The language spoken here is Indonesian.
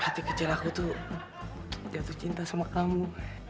hati kecil aku tuh jatuh cinta sama kamu